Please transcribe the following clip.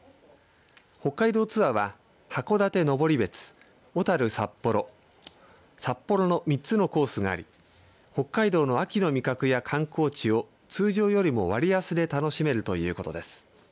北海道ツアーは函館・登別小樽・札幌札幌の３つのコースがあり北海道の秋の味覚や観光地を通常よりも割安で楽しめるということです。